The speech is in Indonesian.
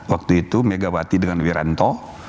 waktu itu megawati dengan wiranto